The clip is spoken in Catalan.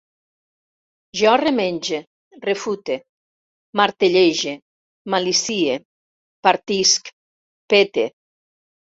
Jo remenge, refute, martellege, malicie, partisc, pete